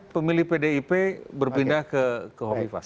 pemilih pdip berpindah ke hoi fas